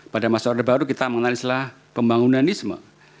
pada masa order baru kita mengenalislah pembangunanisme